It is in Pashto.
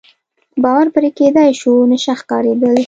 باور پرې کېدای شو، نشه ښکارېدل.